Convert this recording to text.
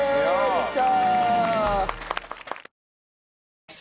できた。